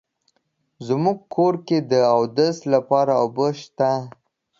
زمونږ کور کې د اودس لپاره اوبه شته